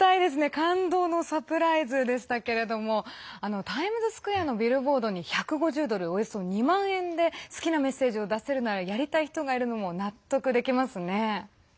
感動のサプライズでしたけれどもタイムズスクエアのビルボードに１５０ドル、およそ２万円で好きなメッセージを出せるならやりたい人がいるのも納得できますね。